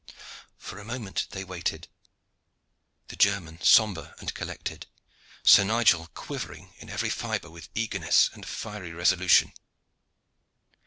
For a moment they waited the German sombre and collected, Sir Nigel quivering in every fibre with eagerness and fiery resolution.